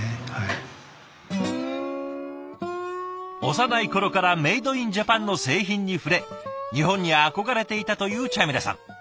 幼い頃からメードインジャパンの製品に触れ日本に憧れていたというチャミラさん。